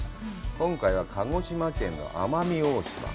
今回は、鹿児島県の奄美大島。